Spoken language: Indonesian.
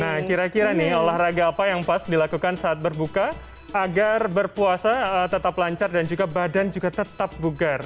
nah kira kira nih olahraga apa yang pas dilakukan saat berbuka agar berpuasa tetap lancar dan juga badan juga tetap bugar